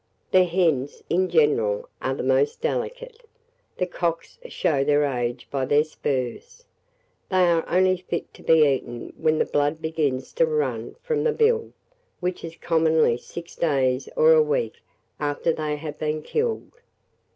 The hens, in general, are the most delicate. The cocks show their age by their spurs. They are only fit to be eaten when the blood begins to run from the bill, which is commonly six days or a week after they have been killed.